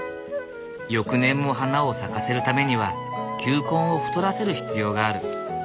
翌年も花を咲かせるためには球根を太らせる必要がある。